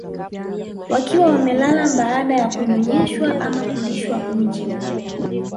Wakiwa wamelala baada ya kunyonyeshwa ama kulishwa uji